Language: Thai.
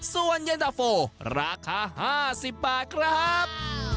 ส่วนเย็นดาโฟราคา๕๐บาทครับ